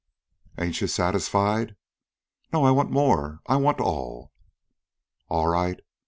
"Ain't you satisfied?" "No. I want more. I want all." "All right.